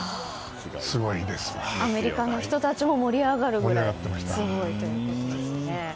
アメリカの人たちも盛り上がるくらいすごいということですね。